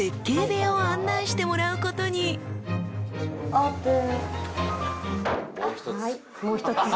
オープン。